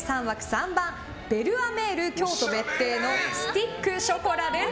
３番ベルアメール京都別邸のスティックショコラです。